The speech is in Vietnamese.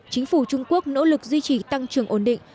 chính phủ trung quốc nỗ lực duy trì tăng trưởng ổn định